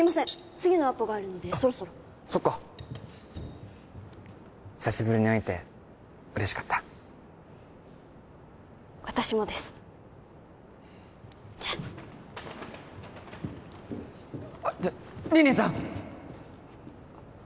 次のアポがあるのでそろそろそっか久しぶりに会えて嬉しかった私もですじゃああっ凜々さん！